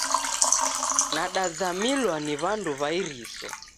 Nadazamilwa ni w'andu w'a iriso